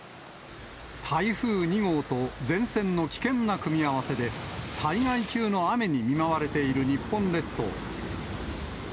台風２号と前線の危険な組み合わせで、災害級の雨に見舞われている日本列島。